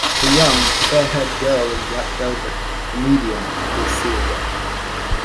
The young, fair-haired girl in black velvet, the medium, was Celia.